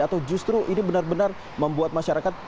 atau justru ini benar benar membuat masyarakat